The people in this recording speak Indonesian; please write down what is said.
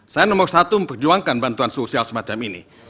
saya nomor satu memperjuangkan bantuan sosial semacam ini